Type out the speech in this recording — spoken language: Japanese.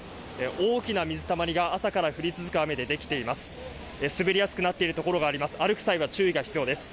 大きな水たまりが朝から降り続く雨で出来ています。